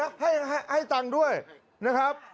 เอาขนมไว้อย่างเดียวนะให้ตังค์ด้วยนะครับ